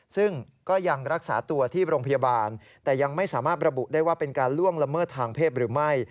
ซึ่งก็ยังรักษาตัวที่โรงพยาบาลแต่ยังไม่สามารถระบุได้ว่าเป็นการล่วงละเมิดทางเพศหรือไม่